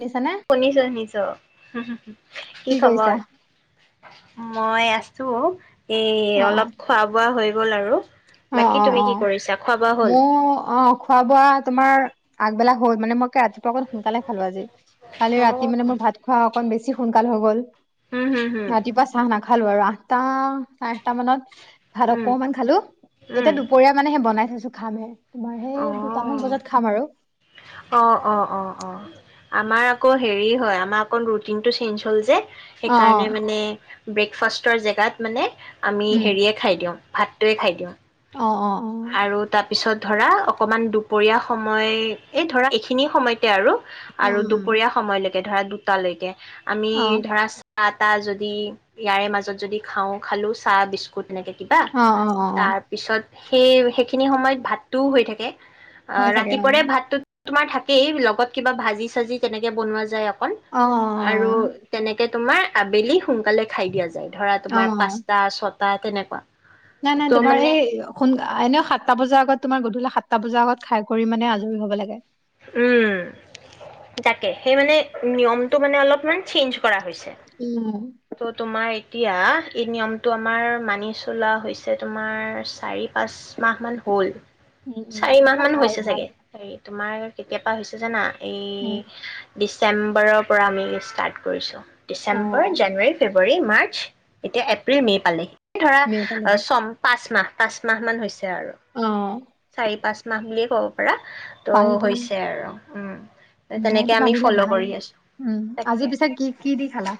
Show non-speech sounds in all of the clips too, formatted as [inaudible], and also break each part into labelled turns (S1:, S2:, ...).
S1: শুনিছানে
S2: শুনিছো শুনিছো কি খবৰ মই আছো এ
S1: অ
S2: অলপ খোৱা বোৱা হৈ গল আৰু
S1: অ
S2: বাকী
S1: অ
S2: তুমি
S1: অ
S2: কি কৰিছা খোৱা বোৱা হ'ল
S1: মোৰ অ খোৱা বোৱা তোমাৰ আগবেলা হ'ল মানে মই কে ৰাতিপুৱা অকণ সোনকালে খালো আজি কালি ৰাতি মানে মোৰ ভাত খোৱা অকণ বেছি সোনকাল হৈ গল
S2: উম হুম হুম
S1: ৰাতিপুৱা চাহ খালো আৰু আঠটা আঠটা মানত ভাত
S2: উম
S1: অকমান খালো এতিয়া
S2: উম
S1: দুপৰীয়া মানে স বনাই থইছো খামহে তোমাৰ
S2: অ
S1: সেই দুটামান বজাত খাম আৰু
S2: অ অ অ অ আমাৰ আকৌ হেৰি হয় আমাৰ অকণ ৰুটিনটো চেঞ্জ হ'ল যে
S1: অ অ
S2: সেইকাৰণে মানে ব্ৰেকফাষ্টৰ জেগাত মানে আমি
S1: উম
S2: হেৰিয়ে খাই দিওঁ ভাতটোৱে খাই দিওঁ
S1: অ অ অ
S2: আৰু তাৰ পিছত ধৰা অকমান দুপৰীয়া সময় এই ধৰা এইখিনি সময়তে আৰু আৰু
S1: উম উম
S2: দুপৰীয়া সময়লৈকে ধৰা দুটালৈকে আমি
S1: অ
S2: ধৰা চাহ তা যদি ইয়াৰে মাজত যদি খাওঁ খালো চাহ বিস্কুট এনেকে কিবা
S1: অ অ অ অ
S2: তাৰ পিছত সেই, সেইখিনি সময়ত ভাতটোও হৈ থাকে। আহ
S1: হৈ থাকে অ
S2: ৰাতিপুৱাৰে ভাতটো তোমাৰ থাকেই লগত কিবা ভাজি চাজি কেনেকে বনোৱা যায়
S1: অ
S2: আৰু তেনেকে তোমাৰ আবেলি সোনকালে খাই দিয়া যায়, ধৰা
S1: অ অ
S2: তোমাৰ
S1: অ
S2: পাঁচটা, ছ বা তেনেকুৱা
S1: নাই - নাই
S2: ত'
S1: দুবাৰ
S2: মানে
S1: সেই অসো এনেও সাতটা বজাৰ আগত তোমাৰ গধূলি সাতটা বজাৰ আগত খাই কৰি মানে আজৰি হব লাগে
S2: উম তাকে সেই মানে নিয়মটো মানে অলপমান চেঞ্জ কৰা হৈছে
S1: উম
S2: ত' তোমাৰ এতিয়া এই নিয়মটো আমাৰ মানি চলা হৈছে তোমাৰ চাৰি পাঁচ মাহমান হ'ল
S1: উম উম
S2: চাৰি মাহ
S1: মানে
S2: মান
S1: ভাল
S2: হৈছে
S1: ভাল
S2: চাগে হ তোমাৰ কেতিয়াবা হৈছে জানা এই
S1: উম
S2: ডিচেম্বৰৰ পৰা আমি ষ্টাৰ্ট কৰিছো
S1: অ
S2: ডিচেম্বৰ জানুৱাৰী - ফেব্ৰুৱাৰী -মাৰ্চ এতিয়া এপ্ৰিল- মে' পালেই।
S1: মে
S2: ধৰা
S1: পালেহি
S2: চম পাঁচ মাহ পাঁচ- মাহ মান হৈছে। আৰু
S1: অ
S2: চাৰি পাঁচ মাহুলে ক'ব পাৰা ত
S1: পাৰি পাৰি
S2: হৈছে আৰু উম তেনেকে
S1: নাইটো
S2: আমি
S1: বান্ধিলে
S2: ফ'ল'
S1: ভাল
S2: কৰি আছোঁ।
S1: উম
S2: তাকে
S1: আজি পিছা কি কি দি খালা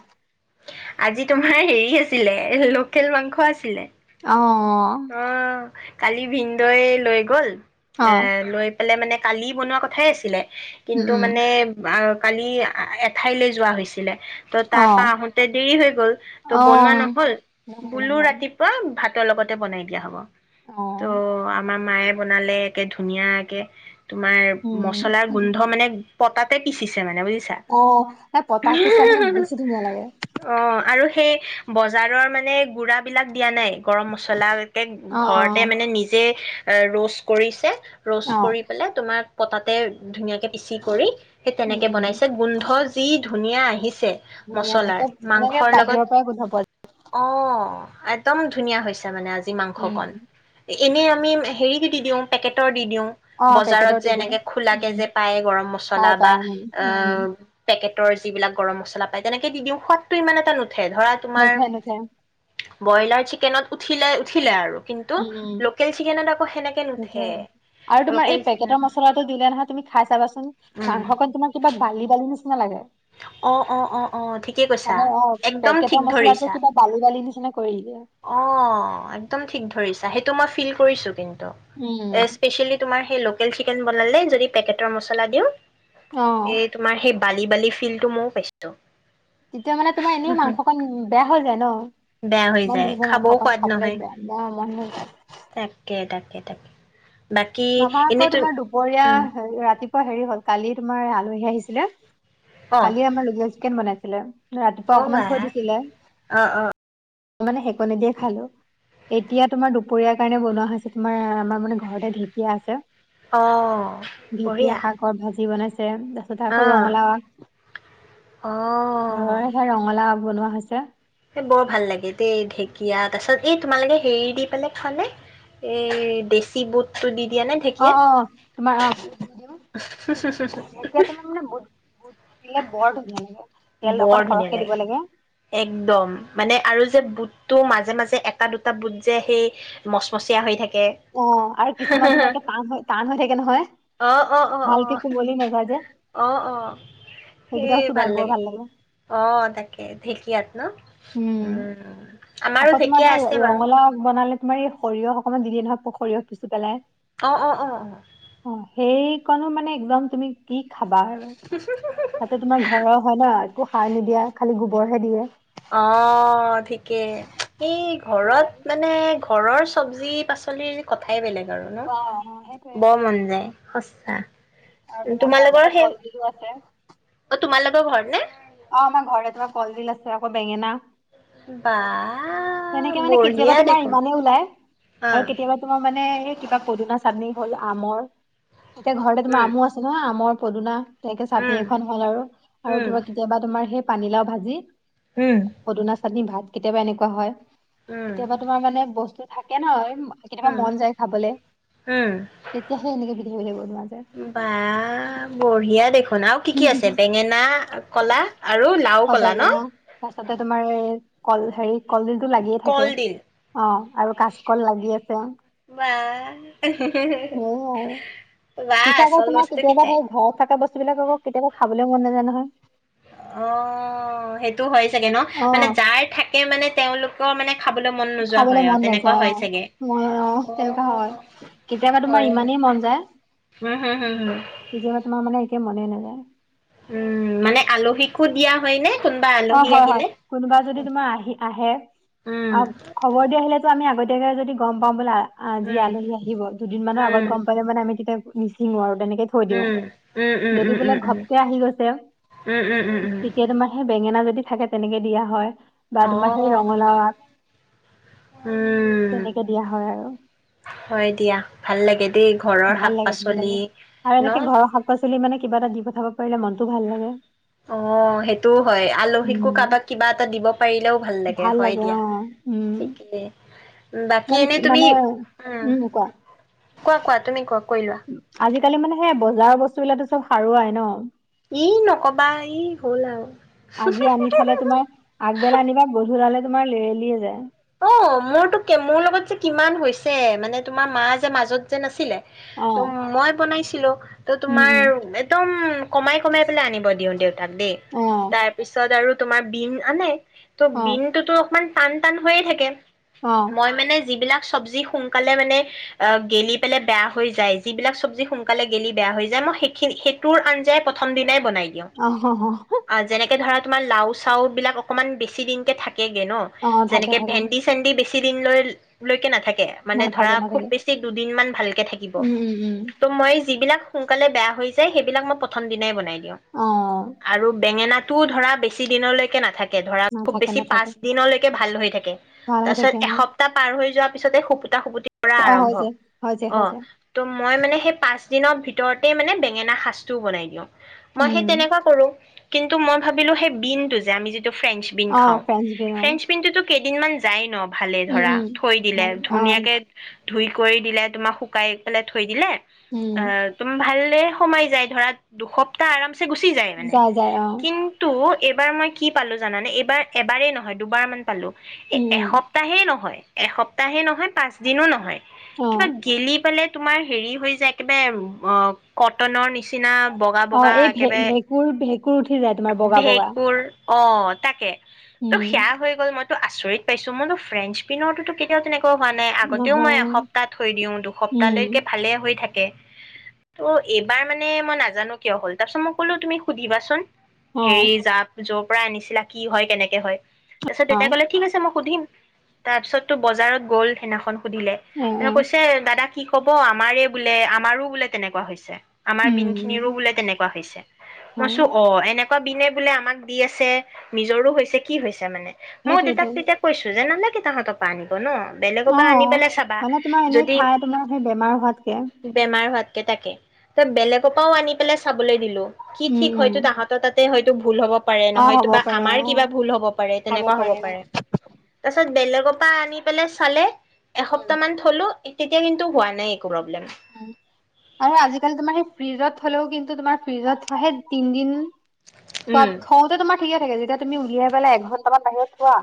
S2: আজি তোমাৰ হেৰি আছিলে লোকেল মাংস আছিলে
S1: অহ', -ৱ',
S2: অ কালি ভিনদেও এ লৈ গল
S1: অ
S2: এ লৈ ফালে মানে কালি বনোৱা কথাই আছিলে
S1: উম
S2: কিন্তু
S1: উম
S2: মানে অ কালি এঠাইলৈ যোৱা হৈছিলে ত
S1: অ
S2: তাৰ পৰা আহ দেৰি হৈ গ'ল, টো
S1: অ
S2: বনোৱা নহল।
S1: নহয়
S2: শুলো
S1: নহয়
S2: ৰাতিপুৱা ভাতৰ লগতে বনাই দিয়া হ'ব।
S1: অ
S2: তো আমাৰ মায়ে বনালে একে ধুনীয়াকে তোমাৰ মচলাৰ
S1: উম
S2: গোন্ধ মানে পতাতে পিচিছে মানে বুজি
S1: অ', পতাত পিচা মানে বেছি ধুনীয়া লাগে।
S2: অ, আৰু সেই বজাৰৰ মানে গুৰা বিলাক দিয়া নাই। গৰম মচলাকে
S1: অ অ
S2: ঘৰতে মানে নিজে এ ৰোচ কৰিছে ৰচ
S1: অ
S2: কৰি পেলাই তোমাক পতাতে ধুনীয়াকে ইচি কৰি সেই
S1: উম
S2: তেনেকে
S1: উম
S2: বনাইছে গোন্ধ যি ধুনীয়া আহি
S1: ধুনীয়া এনেকে
S2: মচলাৰ
S1: এনেকে বাহিৰৰ পৰাই গুন্ধাব
S2: অ', একদম ধুনীয়া হৈছে মানে আজি।
S1: উম
S2: মাংসকন এনেই আমি হেৰিক দি দিওঁ পেকেটৰ দিও
S1: অ
S2: বজাৰত
S1: পেকেটৰ
S2: যে
S1: দি দিওঁ
S2: এনেকে খুলাকে
S1: উম
S2: যে পাই গৰম
S1: পাই
S2: মছলা
S1: পাই
S2: বা
S1: উম
S2: এ
S1: উম
S2: পেকেট [unintelligible] যিবিলাক গৰম মছলাায় তেনেক দিওঁ [unintelligible] ইমান এটা ঠে ধৰা তোমাৰ
S1: নুঠে নুঠে
S2: ব্ৰইলাৰ চিকেনত উঠিলে উঠিলে আৰু কিন্তু
S1: [unintelligible]
S2: লোকেল চিকেনত আকৌ সেনেকে নুঠে।
S1: আৰু তোমাৰ
S2: লোকেল
S1: এই
S2: চিকেনত
S1: পেকেটৰ মচলাটো দিলে নহয় তুমি খাই চাবাচোন
S2: উম,
S1: মাংসখন তোমাৰ কিবা বালি বালি [inaudible] নালাগে।
S2: অ', অ', অ', অ', ঠিকেই কৈছা,
S1: মানে অ
S2: একদম
S1: পেকেটৰ
S2: ঠিক
S1: মছলাটো
S2: ধৰিছা।
S1: কিবা বালি বালি নিচিনা কৰি দিয়ে
S2: অ একদম ঠিক ধৰিছ। সেইটো মই ফিল কৰিছোঁ কিন্তু এ
S1: উম
S2: স্পেছিয়ালী তোমাৰ সেই চিকেন বনালে যদি পেকেটৰ মছলা দিও,
S1: অ
S2: এই তোমাৰ সেই বালি বালি ফিলটো মইও পাইছোঁ।
S1: তেতিয়া মানে তোমাৰ এনেই মাংসকন বেয়া হৈ যায় ন?
S2: বেয়া হৈ
S1: ইমান
S2: যায়,
S1: ধুনীয়া
S2: খাবও
S1: মাংসকণ
S2: সোৱাদ
S1: খাবলৈ
S2: নহয়।
S1: বেয়া বেয়া মন নাযায়
S2: তাকে এই, তাকে তাকে। বাকী
S1: [unintelligible] আকৌ
S2: এনেই তুম
S1: তোমাৰ
S2: উম,
S1: দুপৰীয়া, হেৰি ৰাতিপ পোৱা হেৰি হ'ল, কালি তোমাৰ আলহী আহিছিলে
S2: অ',
S1: কালি আমাৰ [unintelligible] চিকেন বনাইছ ছিলে ৰাতিপুৱা
S2: অ',
S1: অকমান
S2: বা
S1: থৈ দিছিলে।
S2: অ', অ',
S1: মানে সেকনি দিয়ে খালো। এতিয়া তোমাৰ দুপৰীয়াৰ কাৰণে বনোৱা হৈছে তোমাৰ, আমাৰ মানে ঘৰতে ঢেকীয়া আছে।
S2: অ, বঢ়িয়া!
S1: তেন, তাছতে আকৌ
S2: অ',
S1: ৰঙালাও আগ,
S2: অ'।
S1: ঘৰৰে সেয়া ৰঙালাও আগ বনোৱা হৈছে।
S2: বৰ ভাল লাগে দেই ঢেকীয়া, তাছত এই তোমালোকে হেৰি দি পেলাই খোৱানে? এ দেশী বুটটো দি দিয়া নে
S1: অ
S2: ঢেঁকীয়
S1: অ তোমাৰ অ বুট দি দিওঁ ইয়াত বৰ ধুনীয়া লাগে। তেল অকন
S2: বৰ ধুনীয়া
S1: সৰহকে দিব
S2: লাগে! একদম, মানে আৰু যে বুট টো মাজে মাজে এটা দুটা বুট যে সেই, মচমচীয়াা হৈ থাক
S1: অ' আৰু কিছুমান তোমাকে টান হৈ টান হৈ থাকে নহয়,
S2: অ অ অ অ
S1: ভালকে চোবলে নাযায় যে,
S2: অ অ
S1: সেইকেইটাও চোবা বৰ ভাল লাগে।
S2: অ তাকে ঢেকীয়াত ন? উম, আমাৰো ঢেঁকীয়া আছে বাৰু।
S1: নহ'লে তোমাৰ এই সৰিয়হ অকণমান [unintelligible] নহয় প সৰিয়হ পিছি পেলাই।
S2: অ অ অ।
S1: সেইকনো মানে, একদম তুমি? কি খাবা আৰু! তাতে তোমাৰ ঘৰৰ হয় ন? একো সাৰ নিদিয়া খালি গোবৰহে দিয়ে
S2: অ ঠিকেই, এই
S1: ধুনীয়া লাগে
S2: ঘৰত মানে ঘৰৰ চবজি পাচলিৰ কথাই বেলেগ।
S1: অ অ সেইটোয়ে
S2: [unintelligible] বৰ মন যায়। সঁচা।
S1: আৰু তোমাৰ
S2: তোমালোকৰ
S1: ঘৰতেহে কলডিলো আছে।
S2: [unintelligible] ঘৰ নে?
S1: অ', আমাৰ ঘৰতে কলডিল আছে আকৌ বেঙেনা
S2: বা
S1: তেনেকে মানে কেতিয়াবা
S2: বঢ়িয়া
S1: তোমাৰ
S2: দেখোন
S1: ইমানে ওলাই
S2: হা
S1: আৰু কেতিয়াবা তোমাৰ মানে এই কিবা পদিনা চাটনি হ'ল, আমৰ এতিয়া ঘৰতে তোমাৰ
S2: উম
S1: আমু আছে ন‌ আমৰ পদুনা তেনেকে চাটনি
S2: উম
S1: এখন হ'ল, আৰু
S2: উম
S1: কিবা কেতিয়াবা তোমাৰ সেই পানীলাও ভাজি
S2: উম
S1: পদুনা চাটনি ভাত। কেতিয়াবা এনেকুৱা হয়
S2: উম
S1: কেতিয়াবা তোমাৰ মানে বস্তুত থাকে নহয় কেতিয়াবা
S2: উম
S1: মন যায় খাবলৈ।
S2: উম
S1: তেতিয়া সেই এনেকে বিধি হৈ গ'ল।
S2: বা বঢ়িয়া দেখুন আৰু কি কি আছে বেঙেনা কলা আৰু লাও
S1: আৰু
S2: কলা ন
S1: বেঙেনা তাৰপিছত কলডিল টো লাগিয়ে থাকে
S2: কলডিল
S1: আৰু কাচকল লাগিয়ে থাকে। আছা [unintelligible]
S2: এ হিহিহিহি
S1: সেয়াই আৰু পিছে আকৌ তোমাৰ কেতিয়াবা সেই ঘৰত থকা বস্তুবিলাকক কেতিয়াবা খাবলৈও মন নাযায় নহয়
S2: অ [unintelligible] ন
S1: অ
S2: মানে যাৰ থাকে মানে তেওঁলোক ক মানে খাবলৈ মন নোযোৱা
S1: খাবলৈ
S2: হয় আও
S1: মন
S2: তেনেকুৱা
S1: নাযায় অ
S2: হয় চাগে
S1: মই
S2: অ
S1: তেনেকুৱা হয় কেতিয়াবা তোমাৰ
S2: হয়
S1: ইমানেই মন যায়
S2: উম হম হম হম
S1: তোমাৰ মানে একে মনেই নাযায়
S2: উম মানে আলহীকো দিয়া হয় নে কোনোবা
S1: অ
S2: আলহী
S1: হয় হয়
S2: আহিলে?
S1: কোনোবা যদি তোমাৰ আহি আহে
S2: উম,
S1: অ খবৰ দি আহিলেতো আমি আগতে প্ৰত্যকে যদি গম পাওঁ বলা আজি
S2: উম,
S1: আলহী আহিব দুদিন মানৰ আগত
S2: উম,
S1: গম পালে মানে আমি তেতিয়া মিচিং [inaudible] থৈ দি
S2: উম, উম,
S1: যদি
S2: উম, উম,
S1: বোলে
S2: উম, উম,
S1: ঘপক আহি গৈ
S2: উম, উম, উম, উম,
S1: তেতিয়া তোমাৰ বেঙেনা যদি থাকে তেনেকে দিয়া হয় বা
S2: অ
S1: তোমাৰ সেই ৰঙালাও আগ
S2: উম
S1: তেনেকে দিয়া হয় আৰু
S2: হয় দিয়া ভাল লাগে দেই ঘৰৰ
S1: ভাল
S2: শাক
S1: লাগে ভাল লাগে
S2: পাচলি
S1: আৰু
S2: ন
S1: এনেকে ঘৰৰ শাকপাচলি পল মানে কিবা এটা দি পঠাব পাৰে মনতো ভাল লাগে
S2: অ সেইটোও হয়
S1: উম
S2: আলহীকো কাৰোবাক কিবা এটা দিব পাৰিলেও ভাল লাগে হয় দিয়া
S1: উম
S2: কেই বাকী
S1: মানে
S2: এনে তুমি,
S1: মানে
S2: উম, কোৱা কোৱা তুমি কোৱা। কৈ লোৱা
S1: আজিকালি মানে সেই বজাৰৰ বস্তু বিলাকো চব সাৰুৱাই ন
S2: ই নকবা ই হ'ল আৰু
S1: আজি আনি থলে তোমাৰ আগবেলা আনিবা গধূলালে তোমাৰ লেলিয়ে যায়
S2: অ মোৰতো মোৰ লগত যে কিমান হৈছে মানে তোমাৰ মা যে মাজত যে নাছিলে
S1: অ
S2: ত মই বনাইছিলো ত
S1: উম উম
S2: তোমাৰ একদম কমাই কমাই পেলাই আনিব দিওঁ দেউতাক দেই
S1: অ
S2: তাৰ পিছত আৰু তোমাৰ বিম আনে ত'
S1: অ
S2: বিনটোতো অকমান টান টান হৈয়ে থাকে [inaudible]
S1: অ
S2: চব্জি সোনকালে মানে আ গেলি পেলাই বেয়া হৈ যায়। যিবিলাক চব্জি সোনকালে গেলি বেয়া হৈ যায়, মই সেইখি সেইটোৰ আঞ্জাই প্ৰথম দিনাই ব
S1: অ হ, হ।
S2: যেনেকে ধৰা তোমাৰ লাও চাও বিলাক অকনমান বেছি দিনতে থাক কেগে ন
S1: অ থাকে
S2: যেনেকে
S1: থাকে
S2: ভেন্দি চেন্দি বেচি কিদিন ললৈকে নাথাকে মানে ধৰা
S1: নাথাকে
S2: খুব
S1: নাথাকে
S2: বেছি দুদিন মান ভালকে থাকিব
S1: উম উম উম
S2: ত' মই যিবিলাক সোনকালে বেয়া হৈ যায় সেইবিলকই প্ৰথম দিনাই বনাই দিো
S1: অ
S2: আৰু বেঙেনা টো ধৰা বেছি দিনলৈকে নাথাকে ধৰা খুব
S1: নাথাকে
S2: বেছি পাঁচ
S1: নাথাকে
S2: দিনলৈকে ভাল হৈ থাকে
S1: ভাল হৈ
S2: তাছত
S1: থাকে অ
S2: এসপ্তাহ পাৰ হৈ যোৱাত পিছতে সু খুুতি পৰা
S1: অ হৈ
S2: আৰম্ভ
S1: যায় হৈ যায়
S2: অ
S1: হৈ যায়
S2: ত মই মানে সেই পচ দিনৰ ভিতৰতেই মানে বেঙেনা সাঁজটোও বনাই দিওঁ মই সেই
S1: উম
S2: তেনেকুৱা কৰো কিন্তু মই ভাবিলো সেই বিনটো যে আমি য ফ্ৰেন্সবিন
S1: অ
S2: খাওঁ।
S1: ফ্ৰেঞ্চ বিন অ
S2: ফ্ৰেন্সবিন কেইদিনমান যায় ন? ভালে
S1: উম
S2: ধৰা,
S1: উম
S2: থৈ দিলে
S1: ভাল অ
S2: ধুনীয়াকে। ধুই কৰি দিলে, তোমাক শুকাই পেলাই থৈ দিলে।
S1: উম
S2: অ', তুমি ভাল? এ ', সোমাই যায়, ধৰা দুসপ্তাহ আৰাম। গুচি যায় মানে,
S1: যায় অ
S2: কিন্তু এইবাৰ মই কি পালোঁ জানানে? এইবাৰ এবাৰেই নহয় দুবাৰ মান। পালোঁ। এ,
S1: উম উম
S2: এসপ্তাহে নহয়। এসপ্তাহে নহয়, '-পাঁচদিনো নহয়।
S1: অ
S2: কিবা গেলি- পেলে, তোমাৰ হেৰি হৈ যায়, একেবাৰে অ', কটনৰ নিচিনা। চিনা বগা
S1: অ
S2: বগা
S1: এই ভে
S2: একেবাৰে।
S1: ভেঁকুৰ ভেঁকুৰ উঠি যায় তোমাৰ বগা বগা
S2: ভেঁকুৰ অ', তাকে ত'
S1: উম
S2: সেয়া হৈ গ'ল মই। ত' আচৰিত পাইছোঁ, মইতো ফ্ৰেন্সবিনৰ ত' কেতিয়াও তেনেকা। হোৱা নাই আগতেও মই
S1: নহয়
S2: এসপ্তাহ থৈ দিওঁ,
S1: উম
S2: দুসপ্তাহৈকে ভালে হৈ থাকে। তাকে, ত', এইবাৰ মানে মই নাজানো কিয় হ'ল। তাৰপিছত মই ক'লো তুমি সুধিবাচোন।
S1: অ
S2: হেৰি জাপ জ পৰা আনিছিলা কি হয়, কেনেকে হয়? তাৰিছত
S1: অ
S2: দেউতাই কলে ঠিক আছে মই সুধিম। তাৰ পিছতটো বজাৰত গ'ল সেইদিনাখন। সুধিলে,
S1: অ অ
S2: তেওঁ কৈছে দাদা কি কয়? ক'ব আমাৰে বোলে, আমাৰো বোলে তেনেকুৱা হৈছে। আমাৰ
S1: উম
S2: বিনখিনিৰো বোলে তেনেকুৱা হৈছে,
S1: অ
S2: মইছো এনেকুৱা বিনে বোলে আমাক দি আছে, নিজৰো হৈছে কি হৈছে মানে মই,
S1: সেইটোৱেতো
S2: দেউতাক তেতিয়া কৈছো জানানে? তাহাতৰ পৰা আনিবো ন'? বেলেগৰ পৰা আনি
S1: অ',
S2: পেলাই চাবা
S1: মানে তোমাৰ এনেই
S2: যদি
S1: খাই তোমাৰ সেই বেমাৰ হোৱাতকে।
S2: তাকে তাকে। তই বেলেগৰ পৰাও আনি পেলাই চাবলৈ দিলোঁ।
S1: উম', - উম',
S2: তাতে হয়তো ভুল হ'ব তোমাৰ ভুল হ'ব পাৰে
S1: অ
S2: নহয়
S1: হ'ব পাৰে
S2: আমাৰ
S1: অ
S2: কিবা ভুল হ'ব পাৰে
S1: খাব
S2: তেনেকুৱা হব
S1: অ
S2: পাৰে তাৰ বেলেগৰ পৰা আনি পেলাই চালে
S1: উম
S2: এসপ্তাহ মান থলো তেতিয়া কিন্তু হোৱা নাই একো প্ৰব্লেম
S1: উ আৰু আজিকালি তোমাৰ সেই ফ্ৰিজত হলেও কিন্তু তোমাৰ ফ্ৰিজতাহে তিনদিন
S2: উম
S1: থওঁতে তোমাৰ ঠিকে থাকে যেতিয়া তুমি উলিয়াই পেল এঘন্টামান বাহিৰত থোৱা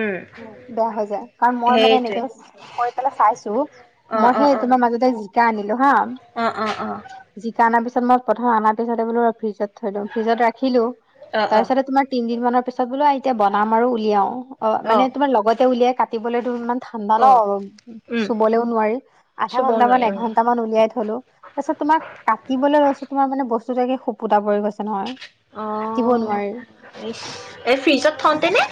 S2: উম
S1: বেয়া হৈ যায় কাৰণ মই মানে এনেক
S2: সেইটোৱে
S1: কৰি পেলাই চাইছো
S2: অ
S1: মই
S2: অ
S1: সেই
S2: অ
S1: তোমাৰ
S2: অ
S1: মাজতে আনিলো হা
S2: অ অ
S1: নাৰ পিছ মই প্ৰথম আনা চা বোলি ফ্ৰিজত ৰাখিলো
S2: অ
S1: তাৰ
S2: অ
S1: পিছতে তোমাৰ তিন দিন মানত তাৰ পিছত বোলো এতিয়া বনাম আৰু উলিয়াও অ মানে তোমাৰ লগতে উলিয়াই কাটিবলৈমান ঠাণ্ডা ন
S2: অ
S1: অলপ
S2: উম
S1: চুবলেও নোৱাৰি আধা
S2: চুব
S1: ঘন্টা মান
S2: নোৱাৰি উম
S1: ঘন্টা মান উলিয়াই থলো তাৰপিছত তোম কাটিবলৈ লৈছো তোমাৰ মানে বস্তু ধুনীয়া কে সুা পৰি গৈছে হ
S2: অ
S1: থাকিব নোৱাৰি
S2: ইচ এই ফ্ৰিজত থওঁতেনে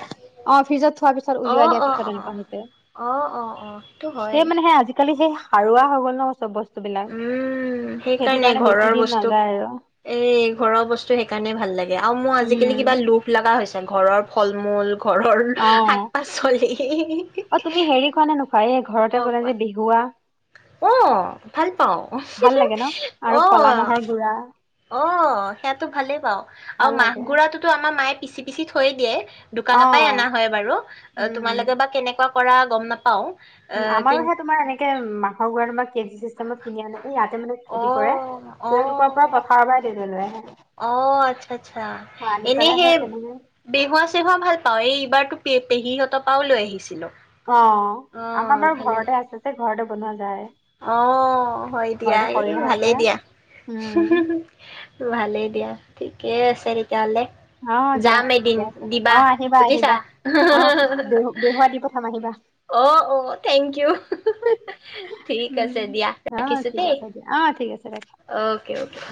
S1: অ ফ্ৰিজত থোৱাৰ পিছত
S2: অ
S1: উলিয়াই দিয়া
S2: অ অ
S1: পিছত এনেকুৱা
S2: অ
S1: হৈছে
S2: অ অ অ সেইটো
S1: সেই
S2: হয়
S1: মানে সে আজিকালি সেই সাৰুৱা হৈ গল ন চব বিলাক
S2: উম
S1: সেইটো
S2: সেইকাৰণে
S1: কাৰণে বেছি
S2: ঘৰৰ
S1: দিন
S2: বস্তু
S1: নাযায় আৰু
S2: এ ঘৰৰ বস্তু সেইকাৰণে ভাল লাগে আৰু মোৰ আজিকালি
S1: উম
S2: কিবা লোভ লগা হৈছে ঘৰৰ ফল মূল ঘৰৰ
S1: অ
S2: শাক পাচলি
S1: অ তুমি হেৰি খোৱা নে নোখোৱা এই ঘৰতে বলাই যে বিহুৱা
S2: আহ ভাল পাওঁ
S1: ভাল লাগে ন
S2: ওহহ
S1: আৰু
S2: অহ
S1: কলা মাহৰ গুড়া
S2: অ সেইয়াতো ভালেই পাওঁ আৰু
S1: ভাল
S2: মাহ
S1: লাগে
S2: গুডৰাাতটোতো আমাৰ মায়ে পিচি পিচি থৈ দিয়ে
S1: অ
S2: দোকানৰ পৰাই অনা হয় বাৰু অ
S1: উম
S2: তোমালোকে বা কেনেকুৱা কৰা গম নাপাওঁ
S1: উম আমাৰোহে তোমাৰ এনেকে মাহৰ গুৰা তোমাৰ কেজি চিষ্টেমত কিনি আনে ইয়াতে মানে
S2: অ
S1: খেতি কৰে তেওঁলোকৰ পৰা
S2: অ
S1: পথাৰৰ বা [unintelligible]
S2: অ আচ্ছা আচ্ছা এনে
S1: পেলাই
S2: সে
S1: সেই তেনেকে
S2: বেহুৱা চেহুৱা ভাল পাওঁৱে এইবাৰতো পে পেহীহঁতৰ পাওঁ লৈ আহিছিলোঁ
S1: অ আমাৰ বাৰু ঘৰতে আছে যে ঘৰতে বনোৱা যায়
S2: অ হয় দিয়া
S1: ঘৰতে
S2: এই
S1: সৰিয়হ আছে
S2: ভালেই দিয়া
S1: উম
S2: ভালেই দিয়া গতিকে চেৰি
S1: অ দিয়া ঠিকে আছে
S2: দিবা
S1: অ আহিবা
S2: বুজিছা।
S1: আহিবা অ বেহ বেহুৱা দি পঠাম আহিবা
S2: অ অ থেংক ইউ ঠিক আছে
S1: উম
S2: দিয়া
S1: অ
S2: ৰাখিছো
S1: ঠিক
S2: দেই
S1: আছে দিয়া অ ঠিক আছে ৰাখিছোঁ
S2: অকে অকে